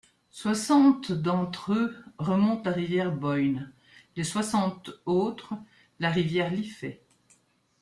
Soixante d'entre eux remontent la rivière Boyne, les soixante autres la rivière Liffey.